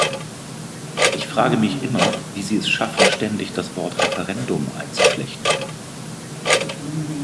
Ich frage mich immer, wie Sie es schaffen, ständig das Wort "Referendum" einzuflechten.